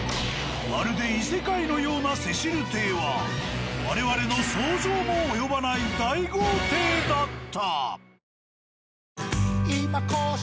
まるで異世界のようなセシル邸は我々の想像も及ばない大豪邸だった。